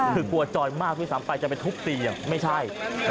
คือกลัวจอยมากด้วยซ้ำไปจะไปทุบตีไม่ใช่